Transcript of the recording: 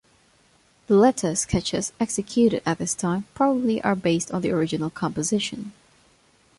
The letter sketches executed at this time probably are based on the original composition.